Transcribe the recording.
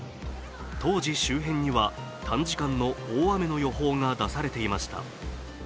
当時、周辺には短時間の大雨の予報が出されていました。